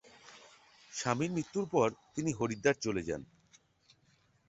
স্বামীর মৃত্যুর পরে তিনি হরিদ্বার চলে যান।